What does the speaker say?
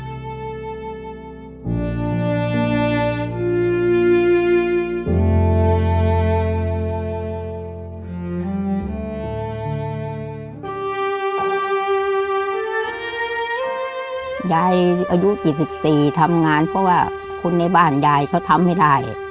ยายอายุ๔๔ทำงานเพราะว่าคนในบ้านยายเขาทำให้ได้